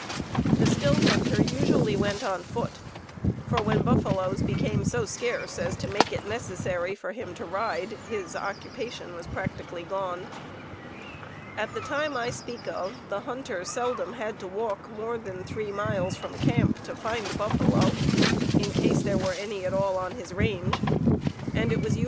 The still hunter usually went on foot, for when buffaloes became so scarce as to make it necessary for him to ride his occupation was practically gone. At the time I speak of, the hunter seldom had to walk more than 3 miles from camp to find buffalo, in case there were any at all on his range, and it was usually an advantage to be without a horse.